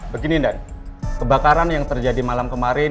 begini ndan kebakaran yang terjadi malam kemarin